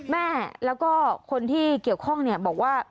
แม่แล้วก็คนที่เกี่ยวข้องบอกว่า